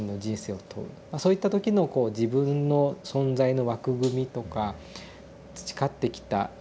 そういった時のこう自分の存在の枠組みとか培ってきた意味とか価値観とか優先順位。